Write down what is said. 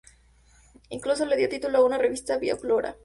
Incluso le dio título a una revista, "Via fora!!